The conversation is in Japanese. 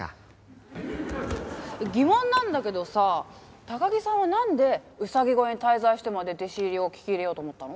疑問なんだけどさ高木さんはなんでうさぎ小屋に滞在してまで弟子入りを聞き入れようと思ったの？